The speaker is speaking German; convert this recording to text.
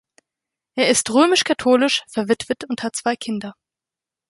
Er ist römisch-katholisch, verwitwet und hat zwei Kinder.